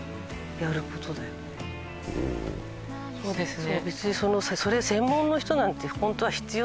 そうですね。